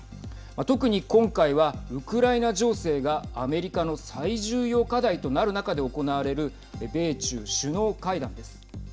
特に、今回はウクライナ情勢がアメリカの最重要課題となる中で行われる米中首脳会談です。